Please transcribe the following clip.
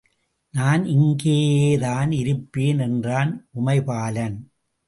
நான் இங்கேயேதான் இருப்பேன்! ″ என்றான் உமைபாலன்.